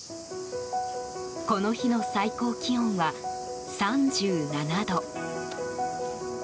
この日の最高気温は３７度。